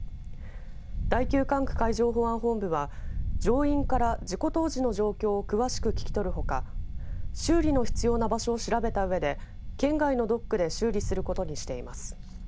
第９管区海上保安本部は乗員から事故当時の状況を詳しく聞き取るほか修理が必要な場所を調べたうえで県外のドックで修理することにしています。